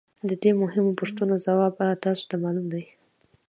د دې مهمو پوښتنو ځواب تاسو ته معلوم دی